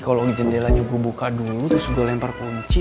kalo jendela gue buka dulu trus gue lempar kunci